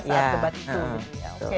saat debat itu